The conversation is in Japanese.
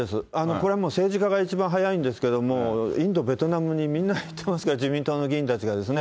これは政治家が一番早いんですけども、インド、ベトナムにみんな行ってますから、自民党の議員たちがですね。